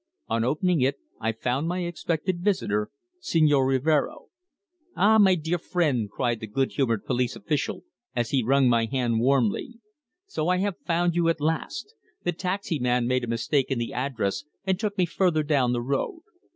On opening it I found my expected visitor, Señor Rivero. "Ah! my dear friend!" cried the good humoured police official, as he wrung my hand warmly. "So I have found you at last! The taxi man made a mistake in the address and took me further down the road.